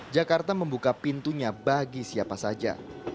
jakarta membuka pintunya bagi siapa saja